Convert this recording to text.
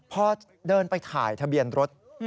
พอเดินไปถ่ายทะเบียนรถ